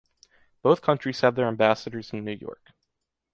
Both countries have their ambassadors in New York.